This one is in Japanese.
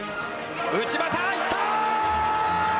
内股いった。